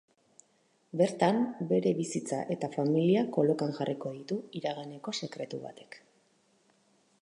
Bertan, bere bizitza eta familia kolokan jarriko ditu iraganeko sekretu batek.